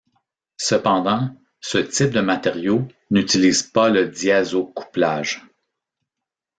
Cependant, ce type de matériau n'utilise pas le diazocouplage.